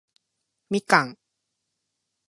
みかん